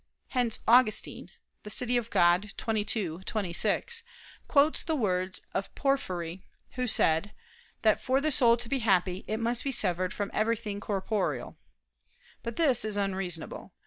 Hence Augustine (De Civ. Dei xxii, 26) quotes the words of Porphyry who said that "for the soul to be happy, it must be severed from everything corporeal." But this is unreasonable.